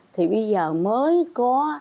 thì bây giờ mới có